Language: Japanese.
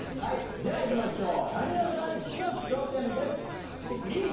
じゃあいきましょう。